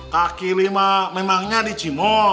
kaki lima memangnya dicimol